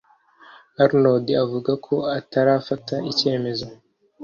arnaud avuga ko atarafata icyemezo